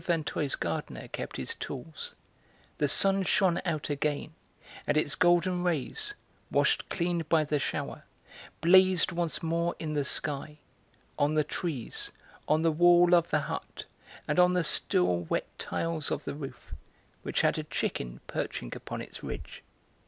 Vinteuil's gardener kept his tools, the sun shone out again, and its golden rays, washed clean by the shower, blazed once more in the sky, on the trees, on the wall of the hut, and on the still wet tiles of the roof, which had a chicken perching upon its ridge.